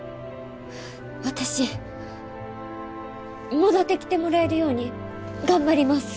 私戻ってきてもらえるように頑張ります。